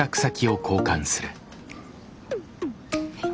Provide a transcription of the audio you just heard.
はい。